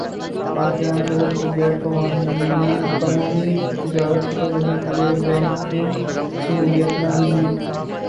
پاک ایران سرحد پر غیرقانونی تجارت ختم کرنے کیلئے بینکنگ سہولیات ناگزیر